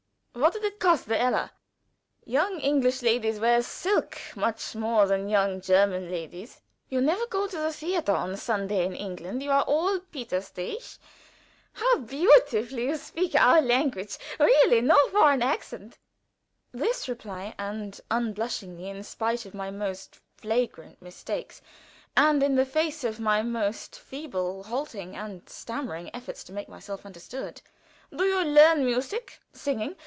What did it cost the elle? Young English ladies wear silk much more than young German ladies. You never go to the theater on Sunday in England you are all pietistisch. How beautifully you speak our language! Really no foreign accent!" (This repeatedly and unblushingly, in spite of my most flagrant mistakes, and in the face of my most feeble, halting, and stammering efforts to make myself understood.) "Do you learn music? singing?